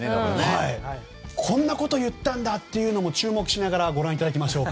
こんなこと言ったんだというのも注目しながらご覧いただきましょう。